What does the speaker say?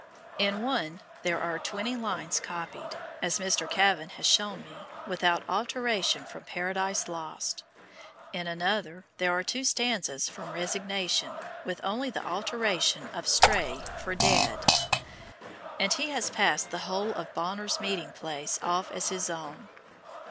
In one there are twenty lines copied (as Mr. Kavan has shown me) without alteration from Paradise Lost; in another there are two stanzas from Resignation, with only the alteration of "stray" for "dead"; and he has passed the whole of Bonar's Meeting place off as his own.